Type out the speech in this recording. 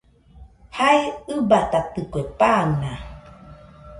Jae ɨbatatikue, pan naa.